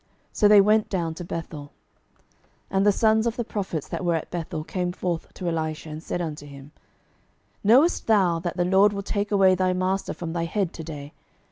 So they went down to Bethel. 12:002:003 And the sons of the prophets that were at Bethel came forth to Elisha, and said unto him, Knowest thou that the LORD will take away thy master from thy head to day?